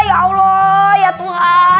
ya allah ya tuhan